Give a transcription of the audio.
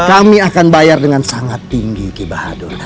kami akan bayar dengan sangat tinggi ki bahadur